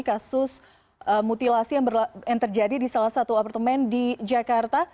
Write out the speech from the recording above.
kasus mutilasi yang terjadi di salah satu apartemen di jakarta